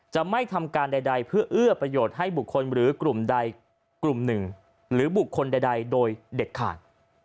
จะไม่ทำการใดเพื่อเอื้อประโยชน์ให้บุคคลหรือกลุ่มใดกลุ่มหนึ่งหรือบุคคลใดโดยเด็ดขาด